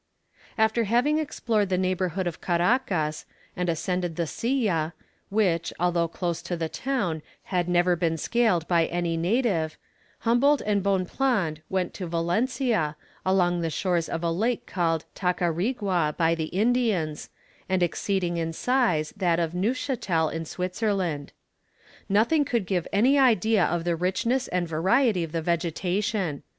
After having explored the neighbourhood of Caracas, and ascended the Silla, which, although close to the town, had never been scaled by any native, Humboldt and Bonpland went to Valencia, along the shores of a lake called Tacarigua by the Indians, and exceeding in size that of Neufchâtel in Switzerland. Nothing could give any idea of the richness and variety of the vegetation.